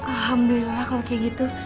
alhamdulillah kalau kayak gitu